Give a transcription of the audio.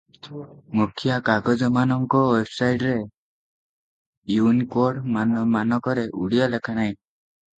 ମୁଖିଆ କାଗଜମାନଙ୍କ ୱେବସାଇଟରେ ଇଉନିକୋଡ଼ ମାନକରେ ଓଡ଼ିଆ ଲେଖା ନାହିଁ ।